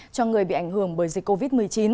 cho người bị ảnh hưởng bởi dịch covid một mươi chín